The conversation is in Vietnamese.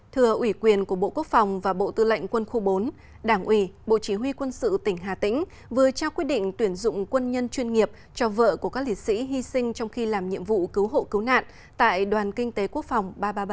thừa ủy quyền của bộ quốc phòng và bộ tư lệnh quân khu bốn đảng ủy bộ chí huy quân sự tỉnh hà tĩnh vừa trao quyết định tuyển dụng quân nhân chuyên nghiệp cho vợ của các liệt sĩ hy sinh trong khi làm nhiệm vụ cứu hộ cứu nạn tại đoàn kinh tế quốc phòng ba trăm ba mươi bảy